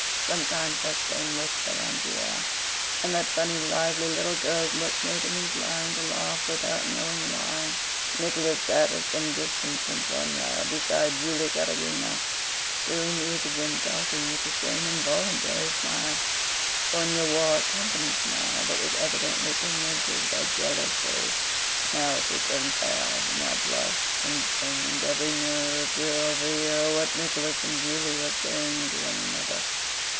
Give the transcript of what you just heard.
Sometimes that same look fell on Pierre, and that funny lively little girl's look made him inclined to laugh without knowing why. Nicholas sat at some distance from Sónya, beside Julie Karágina, to whom he was again talking with the same involuntary smile. Sónya wore a company smile but was evidently tormented by jealousy; now she turned pale, now blushed and strained every nerve to overhear what Nicholas and Julie were saying to one another.